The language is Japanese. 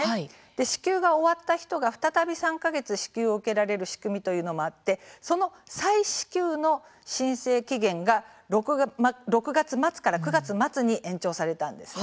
支給が終わった人が再び３か月支給を受けられる仕組みもあって再支給の申請期限が６月末から９月末に延長されたんです。